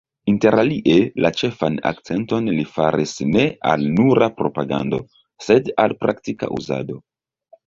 Interalie la ĉefan akcenton li faris ne al nura propagando, sed al praktika uzado.